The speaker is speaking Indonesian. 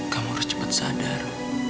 kamu harus cepat sadar